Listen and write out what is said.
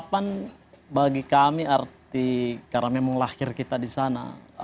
ya sembilan puluh delapan bagi kami arti karena memang lahir kita di sana